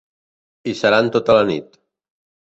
Hi seran tota la nit.